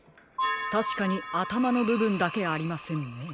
たしかにあたまのぶぶんだけありませんね。